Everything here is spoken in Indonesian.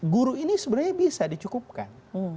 guru ini sebenarnya bisa dicukupkan